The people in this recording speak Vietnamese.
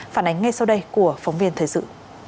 phản ánh ngay sau đây của phóng viên thời sự